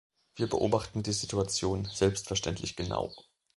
Wir beobachten die Situation selbstverständlich genau.